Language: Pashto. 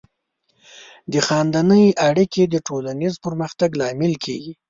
د خاندنۍ اړیکې د ټولنیز پرمختګ لامل کیږي.